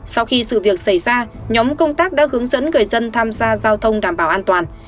sau khi sự việc xảy ra nhóm công tác đã hướng dẫn người dân tham gia giao thông đảm bảo an toàn